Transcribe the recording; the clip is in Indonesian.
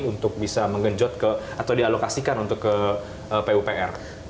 untuk bisa mengenjot atau dialokasikan untuk ke pupr